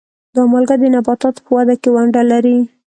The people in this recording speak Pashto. دا مالګه د نباتاتو په وده کې ونډه لري.